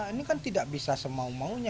ini kan tidak bisa semau maunya